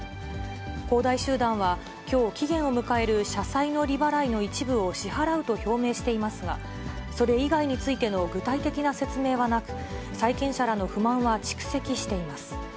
恒大集団はきょう、期限を迎える社債の利払いの一部を支払うと表明していますが、それ以外についての具体的な説明はなく、債権者らの不満は蓄積しています。